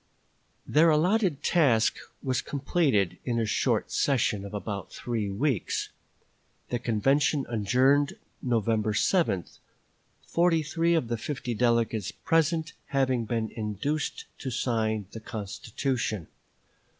" Their allotted task was completed in a short session of about three weeks; the convention adjourned November 7, forty three of the fifty delegates present having been induced to sign the constitution.